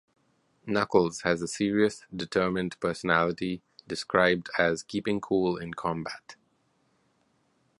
Knuckles has a serious, determined personality, described as keeping cool in combat.